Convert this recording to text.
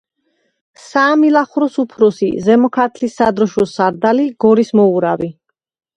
საამილახვროს უფროსი, ზემო ქართლის სადროშოს სარდალი, გორის მოურავი.